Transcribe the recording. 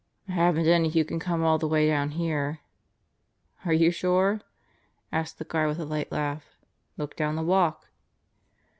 "I haven't any who can come all the way down here." "Are you sure?" asked the guard with a light laugh. "Look down the walk."